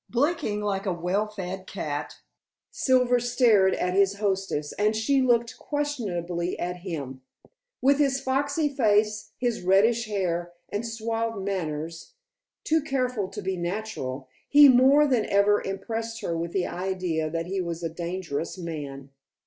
Blinking like a well fed cat, Silver stared at his hostess, and she looked questioningly at him. With his foxy face, his reddish hair, and suave manners, too careful to be natural, he more than ever impressed her with the idea that he was a dangerous man.